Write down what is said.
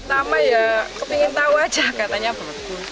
pertama ya ingin tahu aja katanya berapa